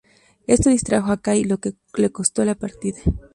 Esto distrajo a Cage, lo que le costó la partida.